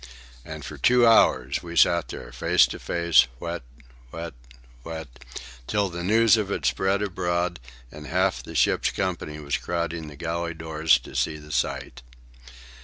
And for two hours we sat there, face to face, whet, whet, whet, till the news of it spread abroad and half the ship's company was crowding the galley doors to see the sight.